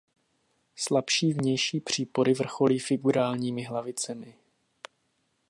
Slabší vnější přípory vrcholí figurálními hlavicemi.